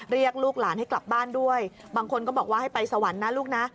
ลูกหลานให้กลับบ้านด้วยบางคนก็บอกว่าให้ไปสวรรค์นะลูกนะ